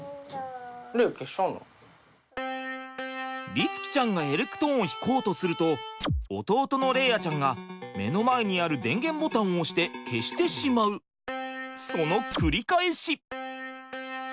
律貴ちゃんがエレクトーンを弾こうとすると弟の伶哉ちゃんが目の前にある電源ボタンを押して消してしまうその繰り返し。